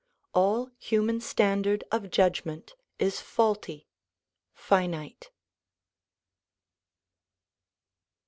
All human standard of judgment is faulty, finite.